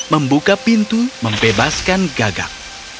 membuka pintu membebaskan gagak